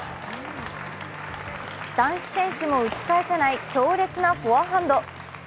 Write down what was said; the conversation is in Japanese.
男子選手も打ち返せない強烈なフォアハンド。